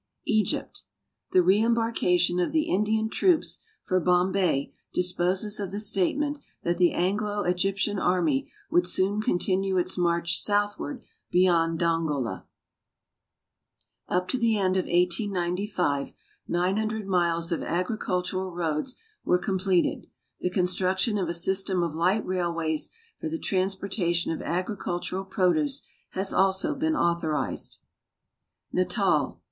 Egypt. The reembarkation of the Indian troops for Bombay disposes of the statement that the Anglo Egyptian army would soon continue its marcli southward beyond Dongola. Up to the end of 1895 900 miles of agricultural roads were completed. The construction of a system of light railways for the transportation of agricultural produce has also been authorized. Xatal.